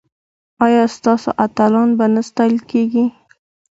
ایا ستاسو اتلان به نه ستایل کیږي؟